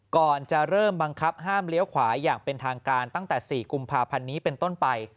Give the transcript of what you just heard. ก่อนจะเริ่มบังคับห้ามเลี้ยวขวาอย่างเป็นทางการตั้งแต่๔กุมภาพันธ์นี้เป็นต้นไป